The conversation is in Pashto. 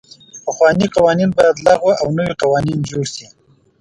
پخواني قوانین باید لغوه او نوي قوانین جوړ سي.